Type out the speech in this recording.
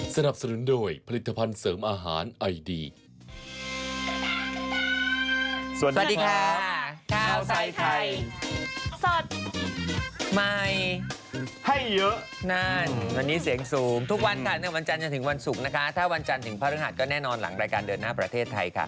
สนับสนุนโดยผลิตภัณฑ์เสริมอาหารไอดี